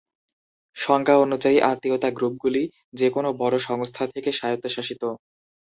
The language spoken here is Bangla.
সংজ্ঞা অনুযায়ী, আত্মীয়তা গ্রুপগুলি যে কোন বড় সংস্থা থেকে স্বায়ত্তশাসিত।